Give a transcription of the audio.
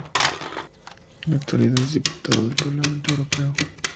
En la actualidad es diputado del Parlamento Europeo.